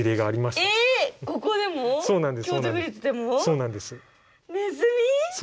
そうなんです。